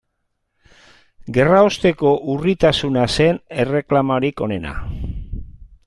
Gerraosteko urritasuna zen erreklamorik onena.